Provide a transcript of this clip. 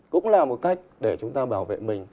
cũng là một cách để chúng ta bảo vệ mình